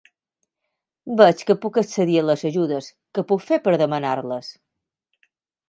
Veig que puc accedir a les ajudes, què puc fer per demanar-les?